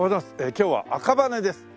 今日は赤羽です。